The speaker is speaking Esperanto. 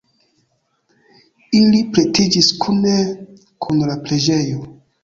Ili pretiĝis kune kun la preĝejo.